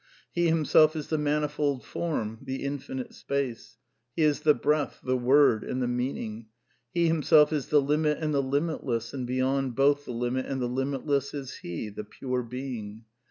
He Himself is the manifold form, the inflnite space. He is the breath, the word, and the meaning. He Himself is the limit and the limitless, and beyond both the limit and the limitless is He, the Pure Being.